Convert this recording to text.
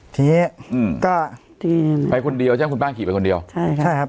ทีนี้อืมก็ทีมไปคนเดียวใช่ไหมคุณป้าขี่ไปคนเดียวใช่ใช่ครับ